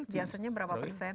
biasanya berapa persen